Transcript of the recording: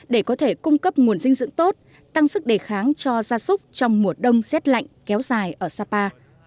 để có thể cung cấp nguồn dinh dưỡng tốt tăng sức đề kháng cho gia súc trong mùa đông rét lạnh kéo dài ở sapa